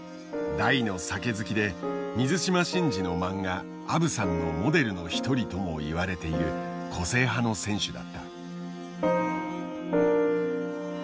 大の酒好きで水島新司の漫画「あぶさん」のモデルの一人ともいわれている個性派の選手だった。